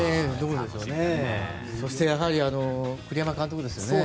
そしてやはり栗山監督ですね。